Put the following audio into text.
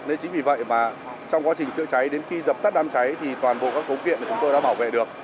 nên chính vì vậy mà trong quá trình chữa cháy đến khi dập tắt đám cháy thì toàn bộ các cấu kiện của chúng tôi đã bảo vệ được